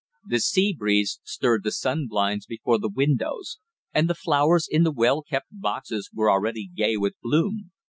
The sea breeze stirred the sun blinds before the windows, and the flowers in the well kept boxes were already gay with bloom.